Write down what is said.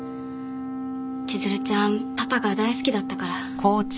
千鶴ちゃんパパが大好きだったから。